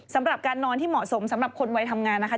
สำหรับการนอนที่เหมาะสมสำหรับคนวัยทำงานนะคะ